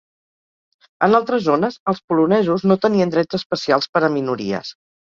En altres zones, els polonesos no tenien drets especials per a minories.